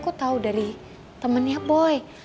aku tahu dari temennya boy